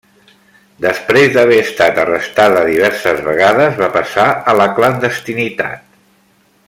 Després d'haver estat arrestada diverses vegades, va passar a la clandestinitat.